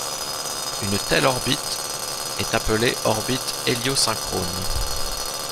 Une telle orbite est appelée orbite héliosynchrone.